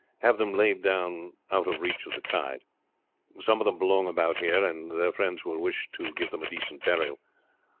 Have them laid down out of reach of the tide. Some of them belong about here, and their friends will wish to give them a decent burial.